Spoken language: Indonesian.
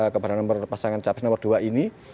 kepada nomor pasangan capres nomor dua ini